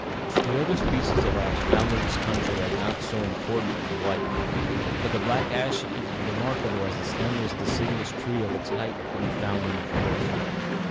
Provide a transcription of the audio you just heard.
"The other species of ash found in this country are not so important as the white, but the black ash is remarkable as the slenderest deciduous tree of its height to be found in the forest.